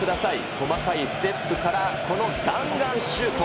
細かいステップから、この弾丸シュート。